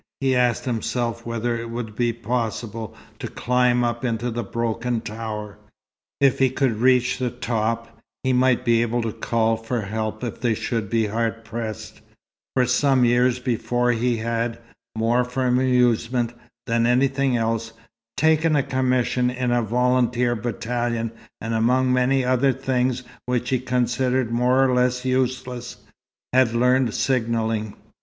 He asked himself whether it would be possible to climb up into the broken tower. If he could reach the top, he might be able to call for help if they should be hard pressed; for some years before he had, more for amusement than anything else, taken a commission in a volunteer battalion and among many other things which he considered more or less useless, had learned signalling.